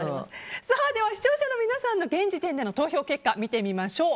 では視聴者の皆さんの現時点での投票結果を見てみましょう。